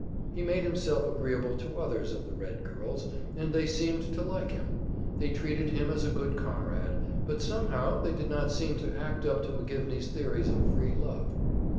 He made himself agreeable to others of the Red girls, and they seemed to like him; they treated him as a good comrade, but somehow they did not seem to act up to McGivney's theories of "free love."